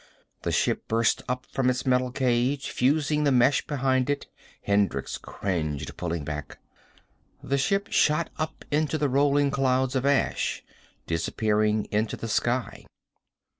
The ship burst up from its metal cage, fusing the mesh behind it. Hendricks cringed, pulling back. The ship shot up into the rolling clouds of ash, disappearing into the sky.